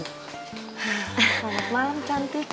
selamat malam cantik